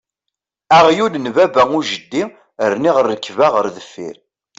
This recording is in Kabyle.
Aɣyul n baba u jeddi rniɣ rrekba ɣer deffier!